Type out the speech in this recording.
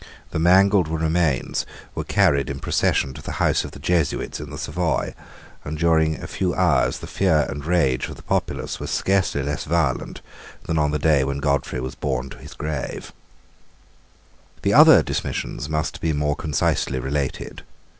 The mangled remains were carried in procession to the house of the Jesuits in the Savoy; and during a few hours the fear and rage of the populace were scarcely less violent than on the day when Godfrey was borne to his grave. The other dismissions must be more concisely related.